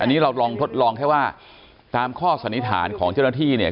อันนี้เราลองทดลองแค่ว่าตามข้อสันนิษฐานของเจ้าหน้าที่เนี่ย